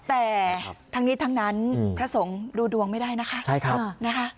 แต่ทั้งนี้ทั้งนั้นพระสงฆ์ดูดวงไม่ได้นะคะใช่ครับนะคะ